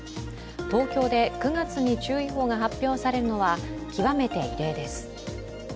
東京で９月に注意報が発表されるのは極めて異例です。